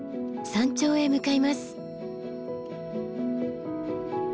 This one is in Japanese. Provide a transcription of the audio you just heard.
山頂へ向かいます。